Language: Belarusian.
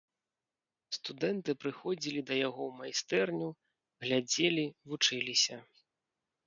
Студэнты прыходзілі да яго ў майстэрню, глядзелі, вучыліся.